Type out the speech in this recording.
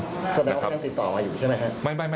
แสดงว่ายังติดต่อมาอยู่ใช่ไหมครับ